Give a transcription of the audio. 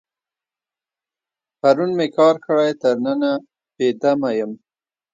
پرون مې کار کړی، تر ننه بې دمه یم.